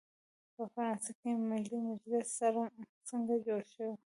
په فرانسه کې ملي مجلس څنګه جوړ شو؟